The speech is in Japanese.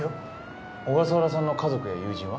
小笠原さんの家族や友人は？